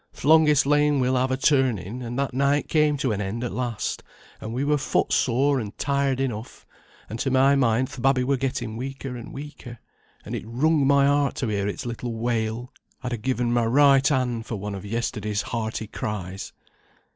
"Th' longest lane will have a turning, and that night came to an end at last; and we were foot sore and tired enough, and to my mind th' babby were getting weaker and weaker, and it wrung my heart to hear its little wail; I'd ha' given my right hand for one of yesterday's hearty cries.